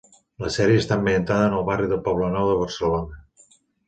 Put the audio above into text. La sèrie està ambientada en el barri del Poblenou de Barcelona.